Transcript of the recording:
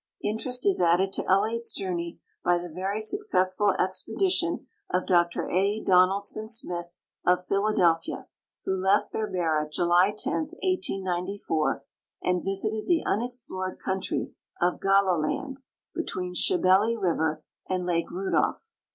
Interest is added to Elliot's journey by the very successful exiiedition of Dr A. Donaldson Smith, of Pliiladelpliia, who left Berbera July 10, 1894, and visited the unexi>lored country of Gallaland, between Shebeli river and lake Rudolf.